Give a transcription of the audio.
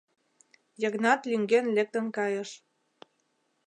Йыгнат лӱҥген лектын кайыш.